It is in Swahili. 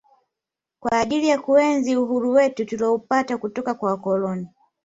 kwa ajili ya kuenzi uhuru wetu tulioupata kutoka kwa wakoloni